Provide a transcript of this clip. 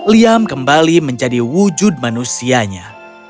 liam kembali menjadi wujud manusianya